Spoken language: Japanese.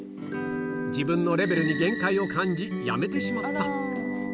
自分のレベルに限界を感じ、やめてしまった。